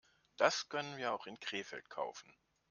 Das können wir auch in Krefeld kaufen